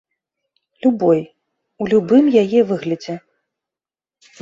Любой, у любым яе выглядзе.